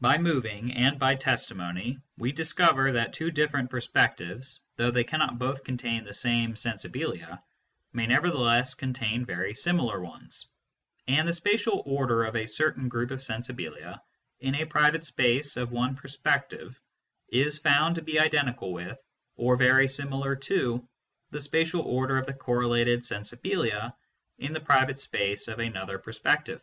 By moving, and by testimony, we discover that two different perspectives, though they cannot both contain the same " sensibilia," may nevertheless contain very similar ones ; and the spatial order of a certain group of "sensibilia" in a private space of one perspective is found to be identical with, or very similar to, the spatial order of the correlated " sensibilia " in the private space of another perspective.